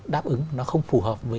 đáp ứng nó không phù hợp với